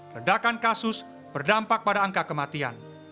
ledakan kasus berdampak pada angka kematian